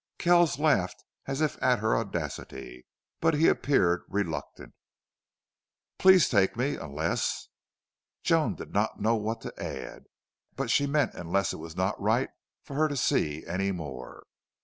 Kells laughed as if at her audacity. But he appeared reluctant. "Please take me unless " Joan did not know what to add, but she meant unless it was not right for her to see any more.